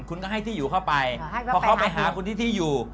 คุณก็ให้ที่อยู่เข้าไปพอเข้าไปหาคุณที่อยู่